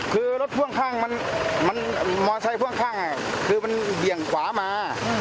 คือรถพ่วงข้างมันมอไซค่วงข้างคือมันเบี่ยงขวามา